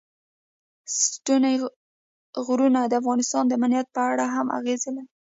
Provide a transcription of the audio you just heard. ستوني غرونه د افغانستان د امنیت په اړه هم اغېز لري.